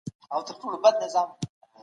تاسو د زردالو په خوړلو بوخت یاست.